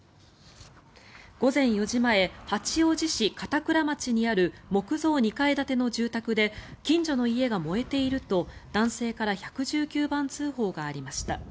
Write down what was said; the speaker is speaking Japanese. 午前４時前八王子市片倉町にある木造２階建ての住宅で近所の家が燃えていると男性から１１９番通報がありました。